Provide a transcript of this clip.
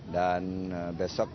dan besok pagi